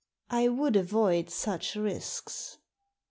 I would avoid such risks.